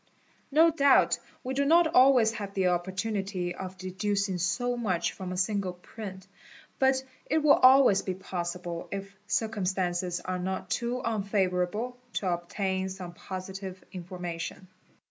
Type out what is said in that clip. _ No doubt we do not always have the opportunity of deducing so much from a single print, but it will always be possible, if circumstances are 10t too unfavourable, to obtain some positive imformation.